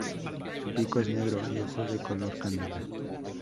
Su pico es negro, y ojos de color canela.